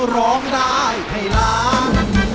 ร้องได้ให้ล้าน